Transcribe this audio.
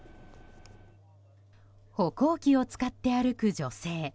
歩行器を使って歩く女性。